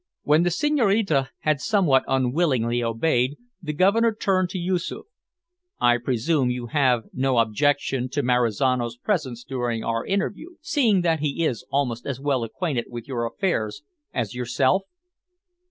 When the Senhorina had somewhat unwillingly obeyed, the Governor turned to Yoosoof: "I presume you have no objection to Marizano's presence during our interview, seeing that he is almost as well acquainted with your affairs as yourself?"